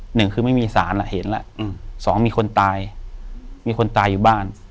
หนึ่งคือไม่มีสารอ่ะเห็นแล้วสองมีคนตายมีคนตายอยู่บ้าน